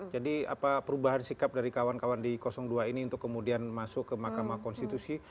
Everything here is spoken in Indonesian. jadi perubahan sikap dari kawan kawan di dua ini untuk kemudian masuk ke mahkamah konstitusi